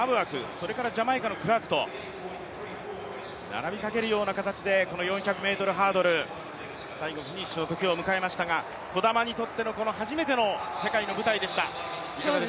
それからジャマイカのクラークと、この４００ｍハードル、最後フィニッシュのときを迎えましたが児玉にとっての初めての世界の舞台でした。